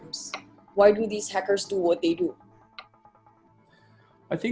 mengapa hacker ini melakukan apa yang mereka lakukan